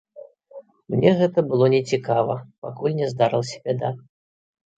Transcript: Мне гэта было нецікава, пакуль не здарылася бяда.